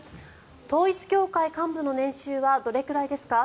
統一教会幹部の年収はどれくらいですか。